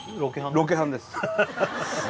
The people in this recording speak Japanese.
ロケハンです